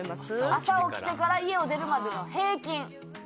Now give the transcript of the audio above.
朝起きてから家を出るまでの平均。